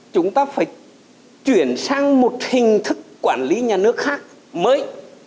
chúng ta phải chuyển sang một hình thức quản lý nhà nước khác mới